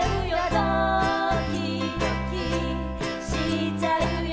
「ドキドキしちゃうよ」